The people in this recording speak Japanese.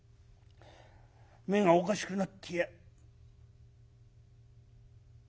目がおかしくなっていや」。